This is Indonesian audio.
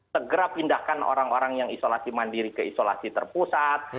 segera pindahkan orang orang yang isolasi mandiri ke isolasi terpusat